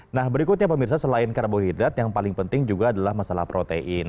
nah berikutnya pemirsa selain karbohidrat yang paling penting juga adalah masalah protein